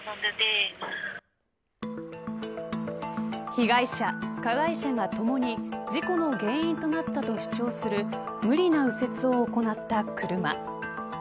被害者、加害者がともに事故の原因となったと主張する無理な右折を行った車。